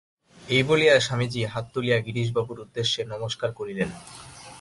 এই বলিয়া স্বামীজী হাত তুলিয়া গিরিশবাবুর উদ্দেশে নমস্কার করিলেন।